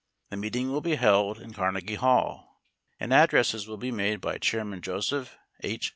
The meeting will be held in Carnegie Hall, and addresses will be made by Chairman Joseph H.